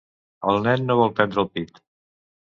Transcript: El nen no vol prendre el pit.